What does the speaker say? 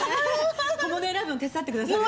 小物を選ぶのも手伝ってくださいね！